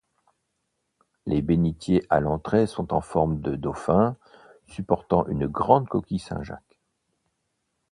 Les bénitiers à l'entrée sont en forme de dauphins supportant une grande coquille Saint-Jacques.